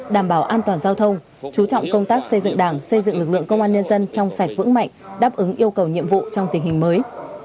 đảm bảo an toàn giao thông chú trọng công tác xây dựng đảng xây dựng lực lượng công an nhân dân trong sạch vững mạnh đáp ứng yêu cầu nhiệm vụ trong tình hình mới